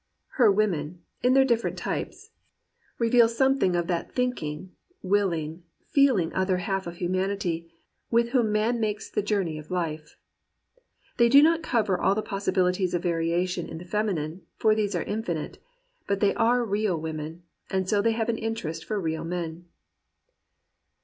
Her women, in their diflFerent types, reveal some 137 COMPANIONABLE BOOKS thing of that thinking, willing, feeling other half of humanity with whom man makes the journey of life. They do not cover all the possibilities of variation in the feminine, for these are infinite, but they are real women, and so they have an interest for real men.